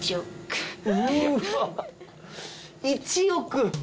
１億！